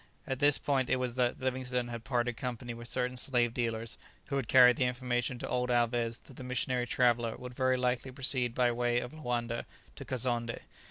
At this point it was that Livingstone had parted company with certain slave dealers, who had carried the information to old Alvez that the missionary traveller would very likely proceed by way of Loanda to Kazonndé.